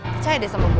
percaya deh sama gue